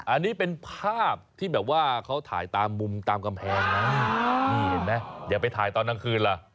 อันนี้เป็นภาพที่แบบว่าเขาถ่ายตามมุมตามกำแพงนะนี่เห็นไหมอย่าไปถ่ายตอนกลางคืนล่ะ